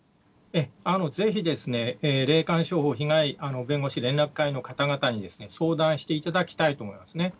ぜひ霊感商法被害弁護士連絡会の方々に相談していただきたいと思いますね。